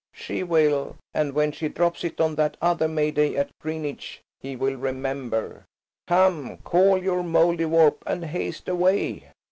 "She will, and when she drops it on that other May day at Greenwich he will remember. Come, call your Mouldiwarp and haste away."